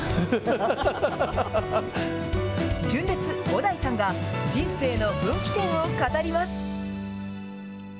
小田井さんが人生の分岐点を語ります。